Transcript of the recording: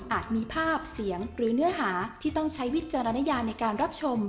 มีภาพเสียงหรือเนื้อหาที่ต้องใช้วิจารณญาในการรับชม